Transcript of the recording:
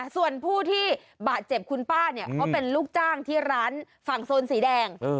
ส่วนผู้ที่บาดเจ็บคุณป้าเนี่ยเขาเป็นลูกจ้างที่ร้านฝั่งโซนสีแดง